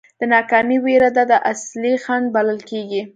د ناکامۍ وېره ده دا اصلي خنډ بلل کېږي.